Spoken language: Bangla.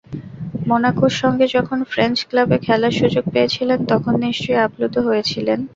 মোনাকোর সঙ্গে যখন ফ্রেঞ্চ ক্লাবে খেলার সুযোগ পেয়েছিলেন, তখন নিশ্চয়ই আপ্লুত হয়েছিলেন।